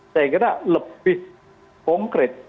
saya kira lebih konkret